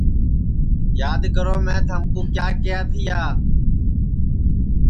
یاد کرو میں تھمکُو کیا کیہیا تیا